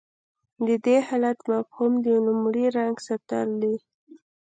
د دې حالت مفهوم د لومړي رنګ ساتل دي.